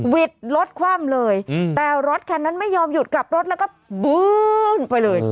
วิทย์รถคว่ำเลยแต่รถคันนั้นไม่ยอมหยุดกลับรถแล้วก็บื้นไปเลย